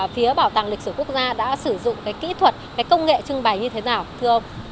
phía bảo tàng lịch sử quốc gia đã sử dụng kỹ thuật công nghệ trưng bày như thế nào thưa ông